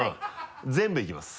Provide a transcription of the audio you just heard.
全部いきます。